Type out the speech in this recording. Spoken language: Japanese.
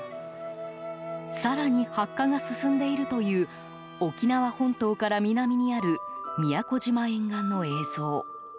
更に白化が進んでいるという沖縄本島から南にある宮古島沿岸の映像。